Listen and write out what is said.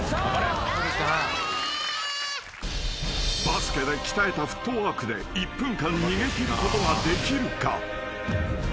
［バスケで鍛えたフットワークで１分間逃げきることができるか？］